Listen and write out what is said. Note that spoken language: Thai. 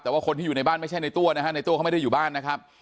แต่ว่าคนที่อยู่ในบ้านไม่ใช่ในตัวนะฮะในตัวเขาไม่ได้อยู่บ้านนะครับ